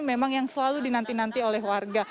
memang yang selalu dinanti nanti oleh warga